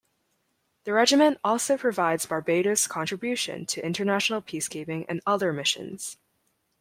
The regiment also provides Barbados' contribution to international peacekeeping and other missions.